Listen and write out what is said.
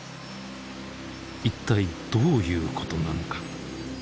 いったいどういうことなのか。